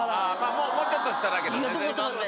もうちょっと下だけど。